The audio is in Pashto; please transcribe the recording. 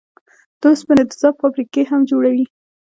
د اوسپنې د ذوب فابريکې هم جوړوي.